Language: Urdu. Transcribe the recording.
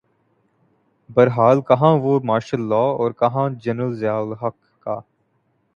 بہرحال کہاںوہ مارشل لاء اورکہاں جنرل ضیاء الحق کا۔